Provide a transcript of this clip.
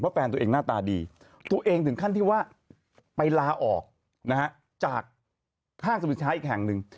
แฟนตัวเองหน้าตาดีตัวเองถึงขั้นที่ว่าไปลาออกนะฮะจากห้างสรรพสินค้าอีกแห่งหนึ่ง